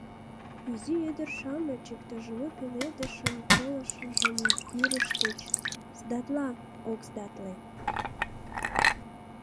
Изи ӱдыр-шамыч иктаж лу пеледышын пылышыжым кӱрыштыч — «сдатла, ок сдатле».